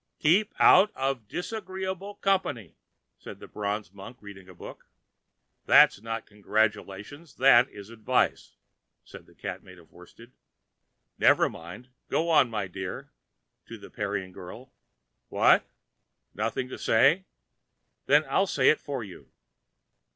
"Keep out of disagreeable company," said the bronze Monk reading a book. "That is not congratulation; that is advice," said the Cat made of worsted. "Never mind, go on, my dear,"—to the Parian girl. "What! nothing to say? Then I'll say it for you.